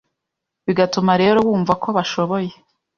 Bigatuma rero bumvako bashobye